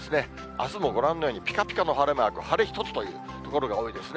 あすもご覧のようにぴかぴかの晴れマーク、晴れ一つという所が多いですね。